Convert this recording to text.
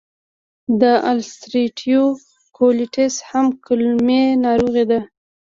د السرېټیو کولیټس هم کولمې ناروغي ده.